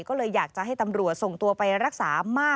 ก็เลยอยากจะให้ตำรวจส่งตัวไปรักษามาก